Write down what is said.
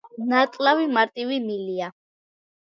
ნაწლავი მარტივი მილია.